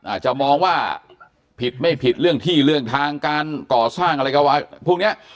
อาจจะมองว่าผิดไม่ผิดเรื่องที่เรื่องทางการก่อสร้างอะไรก็ว่าพวกนี้